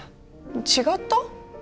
違った？